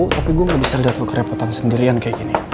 tapi gua gak bisa liat lo kerepotan sendirian kayak gini